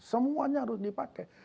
semuanya harus dipakai